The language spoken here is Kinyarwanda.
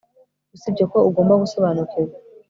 usibye ko ugomba gusobanukirwa